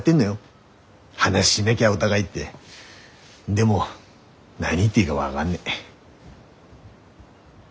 でも何言っていいが分がんねえ。